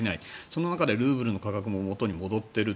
その中でルーブルの価格も元に戻っている。